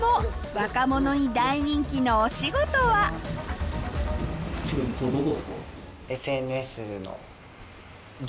若者に大人気のお仕事はそう